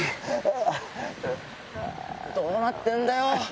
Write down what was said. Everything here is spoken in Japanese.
どうなってんだよ？